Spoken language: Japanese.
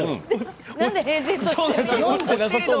なんで平然としているの？